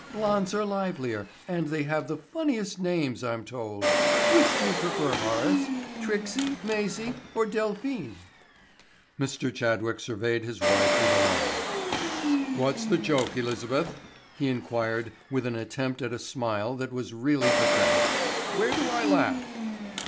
"Blondes are livelier and they have the funniest names, I'm told. Which do you prefer, Horace—Trixie, Mazie or Delphine?" Mr. Chadwick surveyed his wife with alarm. "What's the joke, Elizabeth?", he inquired with an attempt at a smile that was really pathetic. "Where do I laugh?"